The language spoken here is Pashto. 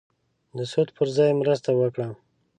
د سود پر ځای مرسته وکړه.